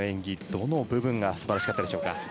どの部分が素晴らしかったですか。